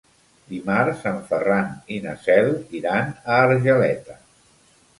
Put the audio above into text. Dimarts en Ferran i na Cel iran a Argeleta.